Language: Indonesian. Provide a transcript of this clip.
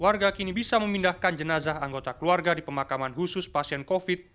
warga kini bisa memindahkan jenazah anggota keluarga di pemakaman khusus pasien covid